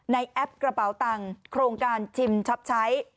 แอปกระเป๋าตังโครงการชิมช็อปใช้